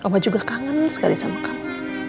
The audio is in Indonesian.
kamu juga kangen sekali sama kamu